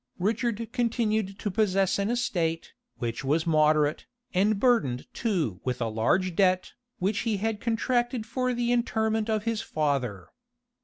Richard continued to possess an estate, which was moderate, and burdened too with a large debt, which he had contracted for the interment of his father.